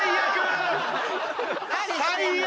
最悪！